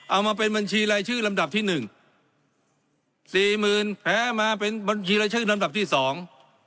เอามาเป็นบัญชีรายชื่อลำดับที่หนึ่งสี่หมื่นแพ้มาเป็นบัญชีรายชื่อลำดับที่สอง